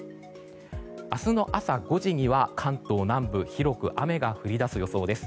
明日の朝５時には関東南部広く雨が降り出す予想です。